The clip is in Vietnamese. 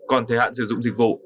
còn thời hạn sử dụng dịch vụ